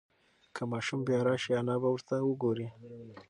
که ماشوم بیا راشي انا به ورته وگوري.